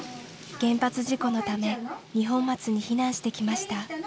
原発事故のため二本松に避難してきました。